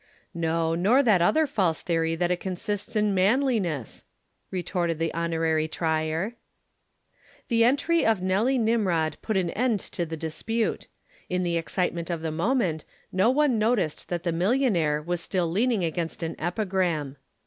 "No, nor that other false theory that it consists in manliness," retorted the Honorary Trier. The entry of Nelly Nimrod put an end to the dispute. In the excitement of the moment no one noticed that the millionaire was still leaning against an epigram.